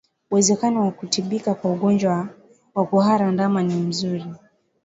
Uwezekano wa kutibika kwa ugonjwa wa kuhara ndama ni mzuri